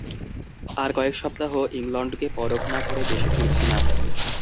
আর কয়েক সপ্তাহ ইংলণ্ডকে পরখ না করে দেশে ফিরছি না।